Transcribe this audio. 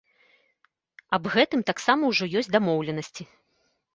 Аб гэтым таксама ўжо ёсць дамоўленасці.